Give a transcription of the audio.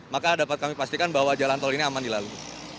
maka dapat kami pastikan bahwa jalan tol ini aman dilalu